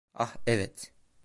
Ah evet.